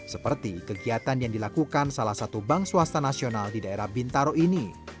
seperti kegiatan yang dilakukan salah satu bank swasta nasional di daerah bintaro ini